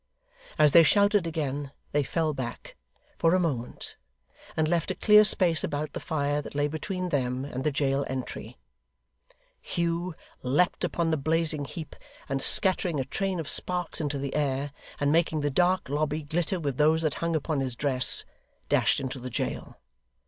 As they shouted again, they fell back, for a moment, and left a clear space about the fire that lay between them and the jail entry. Hugh leapt upon the blazing heap, and scattering a train of sparks into the air, and making the dark lobby glitter with those that hung upon his dress, dashed into the jail.